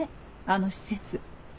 あの施設。